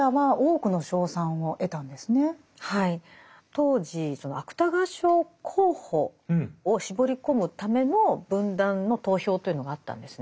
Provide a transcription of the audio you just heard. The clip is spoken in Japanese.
当時芥川賞候補を絞り込むための文壇の投票というのがあったんですね。